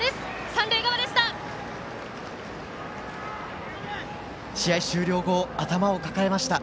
三塁側でした。